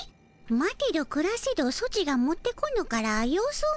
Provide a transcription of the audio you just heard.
待てどくらせどソチが持ってこぬから様子を見に来たのじゃ。